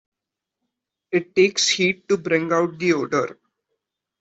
It takes heat to bring out the odor.